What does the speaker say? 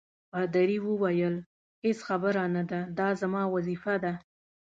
پادري وویل: هیڅ خبره نه ده، دا زما وظیفه ده.